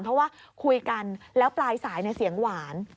เพราะว่าคุยกันแล้วปลายสายเสียงหวาน